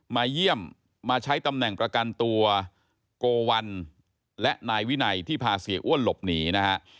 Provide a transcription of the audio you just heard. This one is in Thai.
มาเยี่ยมมาใช้ตำแหน่งประกันตัวโกวัลและนายวินัยที่พาเสียอ้วนหลบหนีนะฮะ